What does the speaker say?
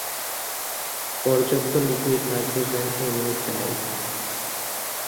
পর্যাপ্ত liquid nitrogen এই মুহূর্তে নেই।